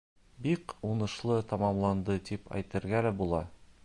Бик уңышлы тамамланды тип әйтергә лә була.